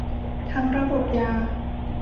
ทั้งระบบยา